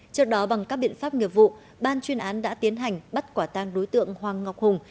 trước đó bằng các biện pháp nghiệp vụ ban chuyên án đã tiến hành bắt quả tang đối tượng hoàng ngọc hùng